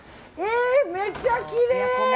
めっちゃきれい！